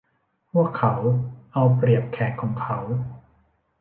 พวกเขาเอาเปรียบแขกของเขา